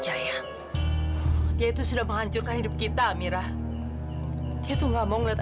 ayah kecelakaan dan meninggal